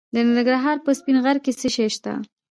د ننګرهار په سپین غر کې څه شی شته؟